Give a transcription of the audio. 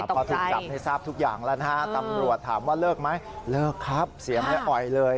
พอถูกจับให้ทราบทุกอย่างแล้วนะฮะตำรวจถามว่าเลิกไหมเลิกครับเสียงอ่อยเลย